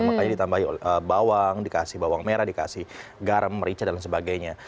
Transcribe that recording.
makanya ditambah bawang dikasih bawang merah dikasih garam merica dan sebagainya